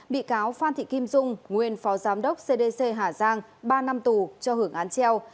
bị cáo phan thị kim dung nguyên phó giám đốc cdc hà giang ba năm tù cho hưởng án treo